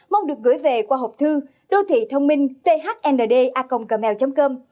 mong được gửi về qua hộp thư đô thị thông minh thndaconggmail com